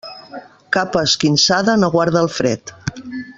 Capa esquinçada no guarda del fred.